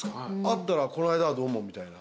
会ったら「この間はどうも」みたいな。